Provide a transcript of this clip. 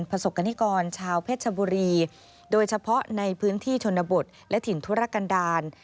ประสบกรณิกรชาวเพชรชบุรีโดยเฉพาะในพื้นที่ชนบทและถิ่นธุรกันดาล